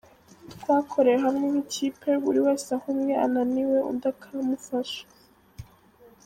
Twakoreye hamwe nk’ikipe, buri wese aho umwe ananiwe undi akamufasha.